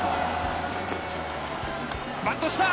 バントした！